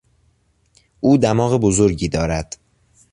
او دماغ بزرگی دارد.